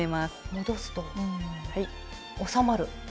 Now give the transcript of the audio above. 戻すと収まる。